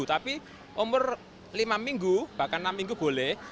tapi umur lima minggu bahkan enam minggu boleh